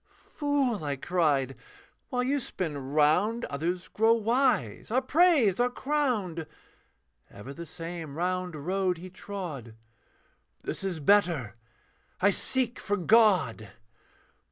'Fool,' I cried, 'while you spin round, 'Others grow wise, are praised, are crowned.' Ever the same round road he trod, 'This is better: I seek for God.'